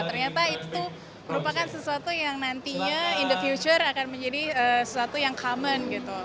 ternyata itu merupakan sesuatu yang nantinya in the future akan menjadi sesuatu yang common gitu